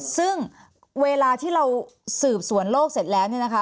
ซึ่งเวลาที่เราสืบสวนโลกเสร็จแล้วเนี่ยนะคะ